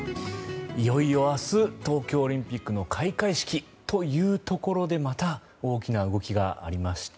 いよいよ明日東京オリンピックの開会式というところでまた、大きな動きがありました。